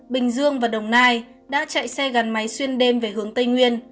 bình dương và đồng nai đã chạy xe gắn máy xuyên đêm về hướng tây nguyên